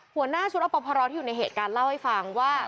หัวหน้าชุดอปพรที่อยู่ในเหตุการณ์เล่าให้ฟังว่า